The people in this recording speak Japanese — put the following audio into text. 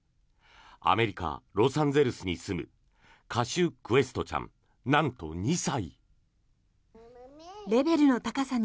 アメリカ・ロサンゼルスに住むカシュ・クエストちゃんなんと２歳。